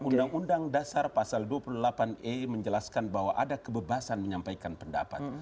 undang undang dasar pasal dua puluh delapan e menjelaskan bahwa ada kebebasan menyampaikan pendapat